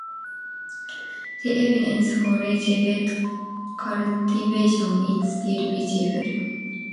The evidence for lazy bed cultivation is still visible.